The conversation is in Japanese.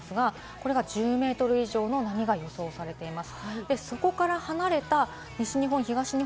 これが１０メートル以上の波が予想されています。